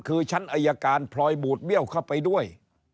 คือชั้นอายการพลอยบูดเบี้ยวเข้าไปด้วย